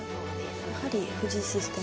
やはり藤井システム。